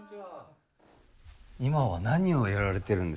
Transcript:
今は何をやられてるんですか？